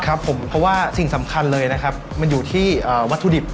ครับผมเพราะว่าสิ่งสำคัญเลยนะครับมันอยู่ที่วัตถุดิบ